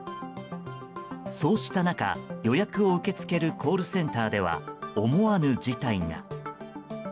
そうした中、予約を受け付けるコールセンターでは思わぬ事態が。